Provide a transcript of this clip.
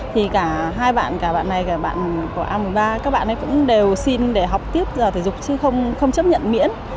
thì cả hai bạn cả bạn này cả bạn của a một mươi ba các bạn ấy cũng đều xin để học tiếp giờ thể dục chứ không chấp nhận miễn